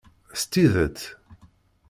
S tidet!